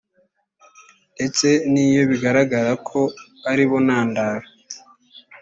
ndetse n iyo bigaragara ko ari bo ntandaro